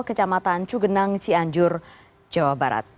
kecamatan cugenang cianjur jawa barat